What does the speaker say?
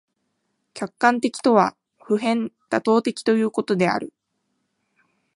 客観的とは普遍妥当的ということである。